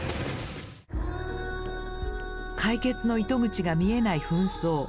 解決の糸口が見えない紛争。